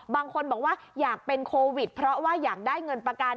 บางคนบอกว่าอยากเป็นโควิดเพราะว่าอยากได้เงินประกัน